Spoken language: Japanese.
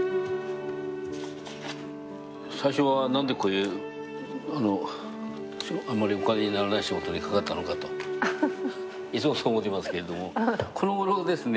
最初は何でこういうあんまりお金にならない仕事にかかったのかといつもそう思ってますけれどもこのごろですね